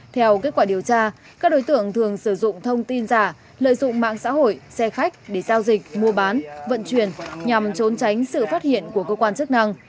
theo kết quả điều tra các đối tượng thường sử dụng thông tin giả lợi dụng mạng xã hội xe khách để giao dịch mua bán vận chuyển nhằm trốn tránh sự phát hiện của cơ quan chức năng